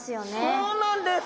そうなんです。